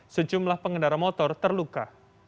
sejumlah pengendara motor terluka